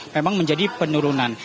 memang menjadi penurunan